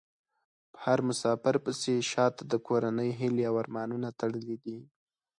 په هر مسافر پسې شا ته د کورنۍ هيلې او ارمانونه تړلي دي .